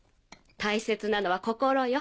大切なのは心よ。